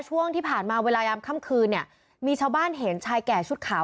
ช่วงที่ผ่านมาเวลายามค่ำคืนเนี่ยมีชาวบ้านเห็นชายแก่ชุดขาว